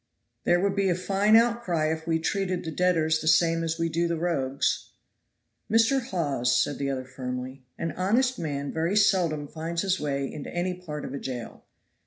"There would be a fine outcry if we treated the debtors the same as we do the rogues." "Mr. Hawes," said the other firmly, "an honest man very seldom finds his way into any part of a jail.